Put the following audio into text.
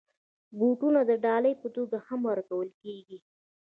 بوټونه د ډالۍ په توګه هم ورکول کېږي.